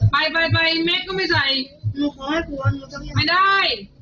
ไปเมกก็ไม่ใส่